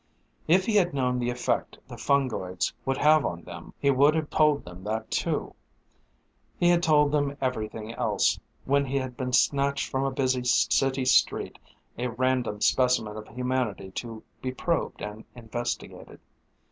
If he had known the effect the fungoids would have on them, he would have told them that too. He had told them everything else, when he had been snatched from a busy city street, a random specimen of humanity to be probed and investigated.